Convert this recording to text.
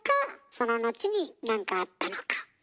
その後に何かあったのか。